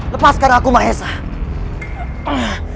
lepaskan aku maesah